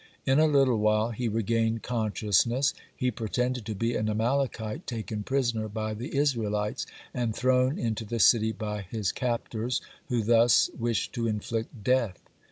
In a little while he regained consciousness. He pretended to be an Amalekite taken prisoner by the Israelites, and thrown into the city by his captors, who thus wished to inflict death.